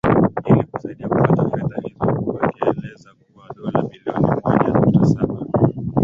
ili kusaidia kupata fedha hizo huku akieleza kuwa dola bilioni moja nukta saba